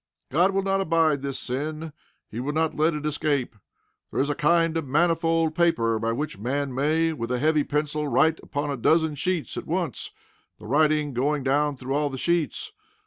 God will not abide this sin. He will not let it escape. There is a kind of manifold paper by which a man may, with a heavy pencil, write upon a dozen sheets at once the writing going down through all the sheets.